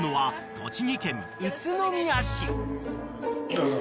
どうぞ。